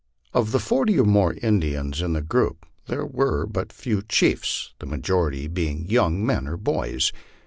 Of the forty or more Indians in tho group, there were but few chiefs, the majority being young men or boys.